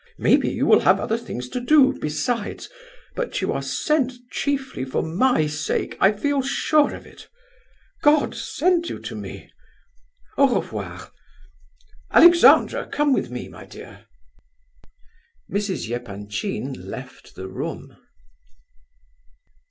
Maybe you will have other things to do, besides, but you are sent chiefly for my sake, I feel sure of it. God sent you to me! Au revoir! Alexandra, come with me, my dear." Mrs. Epanchin left the room.